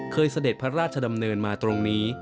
เสด็จพระราชดำเนินมาตรงนี้